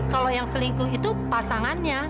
kalau yang selingkuh itu pasangannya